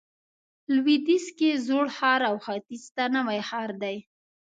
لویدیځ کې زوړ ښار او ختیځ ته نوی ښار دی.